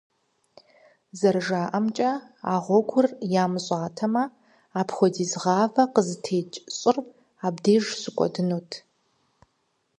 Зэрыжаӏэмкӏэ, а гъуэгур ямыщӏатэмэ, апхуэдиз гъавэ къызытекӏ щӏыр абдеж щыкӏуэдынут.